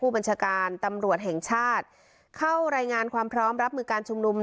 บัญชาการตำรวจแห่งชาติเข้ารายงานความพร้อมรับมือการชุมนุม